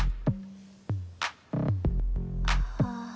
ああ。